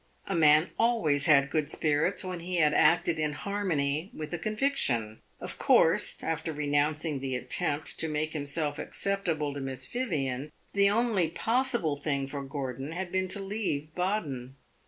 A man always had good spirits when he had acted in harmony with a conviction. Of course, after renouncing the attempt to make himself acceptable to Miss Vivian, the only possible thing for Gordon had been to leave Baden.